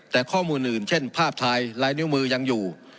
แต่ข้อมูลอื่นเช่นภาพไทยลายนิ้วมือยังอยู่